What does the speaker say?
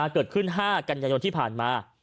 เกิดขึ้น๕กันยายนที่ผ่านมา